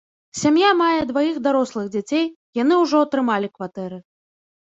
Сям'я мае дваіх дарослых дзяцей, яны ўжо атрымалі кватэры.